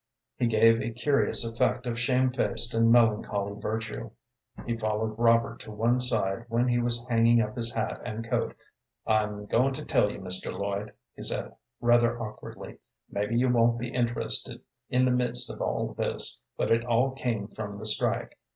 He gave a curious effect of shamefaced and melancholy virtue. He followed Robert to one side when he was hanging up his hat and coat. "I'm going to tell you, Mr. Lloyd," he said, rather awkwardly; "maybe you won't be interested in the midst of all this, but it all came from the strike.